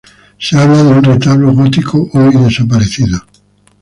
Se habla de un retablo gótico, hoy desaparecido.